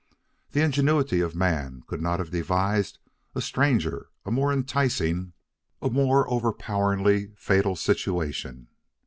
The ingenuity of man could not have devised a stranger, a more enticing, a more overpoweringly fatal situation.